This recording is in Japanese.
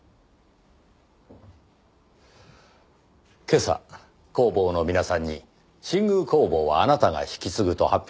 今朝工房の皆さんに新宮工房はあなたが引き継ぐと発表されたそうですねぇ。